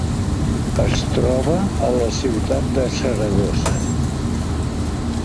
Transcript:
Es troba a la ciutat de Saragossa.